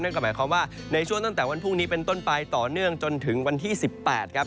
ก็หมายความว่าในช่วงตั้งแต่วันพรุ่งนี้เป็นต้นไปต่อเนื่องจนถึงวันที่๑๘ครับ